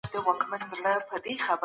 که باران وي نو موږ به په صنف کي پاته سو.